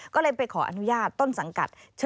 ก็เลยไปขออนุญาตต้นสังกัด